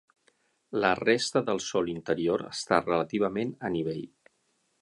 La resta del sòl interior està relativament a nivell.